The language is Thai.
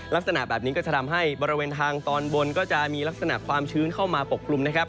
ลักษณะแบบนี้ก็จะทำให้บริเวณทางตอนบนก็จะมีลักษณะความชื้นเข้ามาปกกลุ่มนะครับ